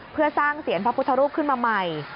เพื่อสร้างเสียนพระพุทธรูปขึ้นมาใหม่